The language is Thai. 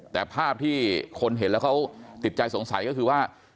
แต่ภาพที่คนเห็นแล้วเขาติดใจสงสัยก็คือว่า